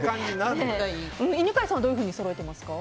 犬飼さんはどういうふうにそろえてますか？